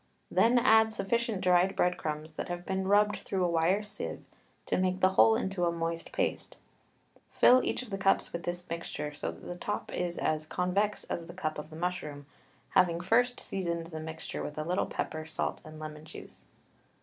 Then add sufficient dried bread crumbs that have been rubbed through a wire sieve to make the whole into a moist paste, fill each of the cups with this mixture so that the top is as convex as the cup of the mushroom, having first seasoned the mixture with a little pepper, salt, and lemon juice.